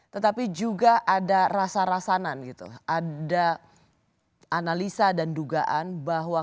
tetapi juga ada rasa rasanan gitu ada analisa dan dugaan bahwa